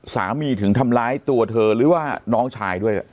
ถึงทำร้ายตัวเธอหรือว่าน้องชายด้วย